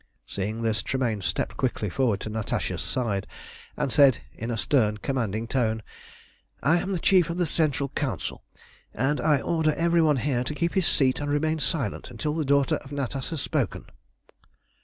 Seeing this, Tremayne stepped quickly forward to Natasha's side, and said in a stern, commanding tone "I am the Chief of the Central Council, and I order every one here to keep his seat and remain silent until the daughter of Natas has spoken."